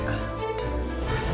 ternyata ibu anda